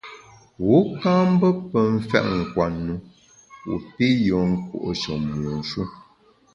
Wu ka mbe pe mfèt nkwenu wu pi yùen nkùo’she mu shu.